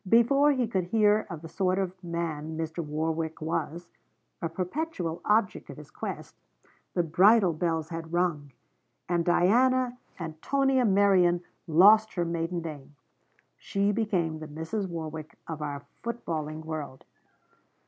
Before he could hear of the sort of man Mr. Warwick was a perpetual object of his quest the bridal bells had rung, and Diana Antonia Merion lost her maiden name. She became the Mrs. Warwick of our footballing world.